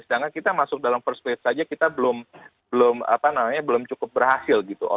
sedangkan kita masuk dalam first trave saja kita belum cukup berhasil gitu